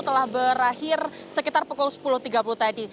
telah berakhir sekitar pukul sepuluh tiga puluh tadi